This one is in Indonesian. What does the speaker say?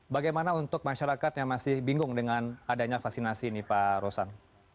bagaimana untuk masyarakat yang masih bingung dengan adanya vaksinasi ini pak rosan